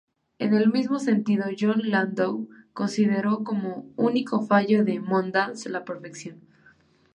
En el mismo sentido, Jon Landau consideró como único fallo de "Moondance" la perfección.